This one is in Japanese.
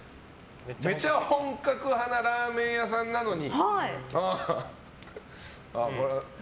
めちゃ本格派なラーメン屋さんなのに。